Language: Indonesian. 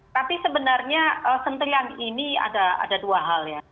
tapi sebenarnya sentilang ini ada dua hal ya